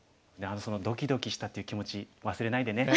そのドキドキしたっていう気持ち忘れないでね。